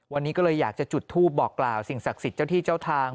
วันนี้ก็เลยอยากจะจุดทูปบอกกล่าวสิ่งศักดิ์สิทธิ์เจ้าที่เจ้าทาง